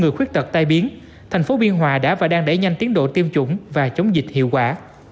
người khuyết tật tai biến thành phố biên hòa đã và đang đẩy nhanh tiến độ tiêm chủng và chống dịch hiệu quả